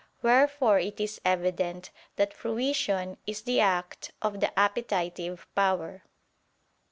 Wherefore it is evident that fruition is the act of the appetitive power.